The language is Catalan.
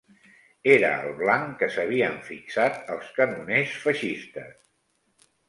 Era el blanc que s'havien fixat els canoners feixistes